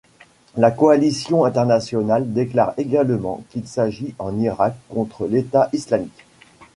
La coalition internationale déclare également qu'il s'agit en Irak contre l'État islamique.